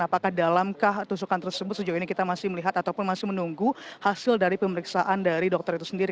apakah dalamkah tusukan tersebut sejauh ini kita masih melihat ataupun masih menunggu hasil dari pemeriksaan dari dokter itu sendiri